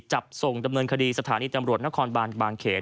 จับส่งดำเนินคดีสถานีตำรวจนครบานบางเขน